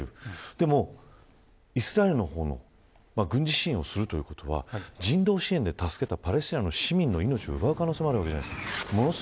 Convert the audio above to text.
でも、イスラエルの訪問軍事支援をするということは人道支援で助けたパレスチナの市民の命を奪う可能性もあるじゃないですか。